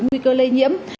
nguy cơ lây nhiễm